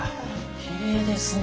きれいですね。